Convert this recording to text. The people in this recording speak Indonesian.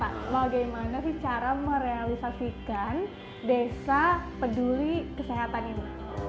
pak bagaimana sih cara merealisasikan desa peduli kesehatan ini